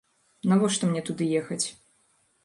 Навошта мне туды ехаць?